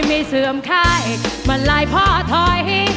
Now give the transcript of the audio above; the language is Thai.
ไม่มีเสื่อมค่ายมาร่ายพ่อถอย